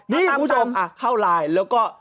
นี่คุณผู้ชมเข้าไลน์แล้วก็